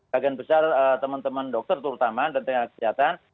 bagian besar teman teman dokter terutama dan tenaga kesehatan